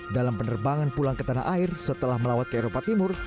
dalam penerbangan pulang ke tanah air setelah melawat ke eropa timur